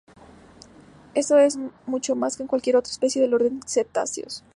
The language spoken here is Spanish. Esto es mucho más que en cualquier otra especie del orden cetáceos.